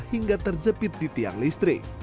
hingga terjepit di tiang listrik